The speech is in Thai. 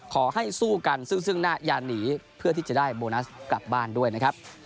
ขอให้สู้กันซึ่งหน้าอย่าหนีเพื่อที่จะได้โบนัสกลับบ้านด้วยนะครับ